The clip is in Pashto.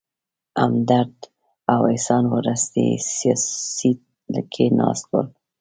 همدرد او احسان وروستي سیټ کې ناست ول.